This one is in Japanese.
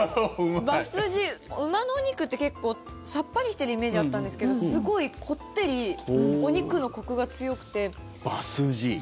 馬スジ、馬のお肉って結構さっぱりしてるイメージがあったんですけどすごいこってりお肉のコクが強くてご飯に合う。